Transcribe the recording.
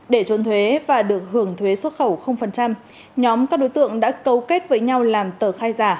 để trốn thuế và được hưởng thuế xuất khẩu nhóm các đối tượng đã cấu kết với nhau làm tờ khai giả